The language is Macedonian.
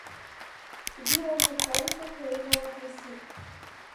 Си била една царица која имала три сина.